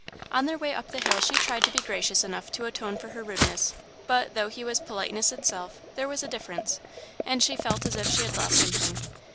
On their way up the hill, she tried to be gracious enough to atone for her rudeness, but, though he was politeness itself, there was a difference, and she felt as if she had lost something.